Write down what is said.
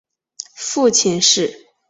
父亲是。